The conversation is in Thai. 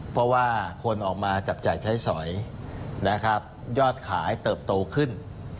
เพราะว่าคนออกมาจับจ่ายใช้สอยนะครับยอดขายเติบโตขึ้น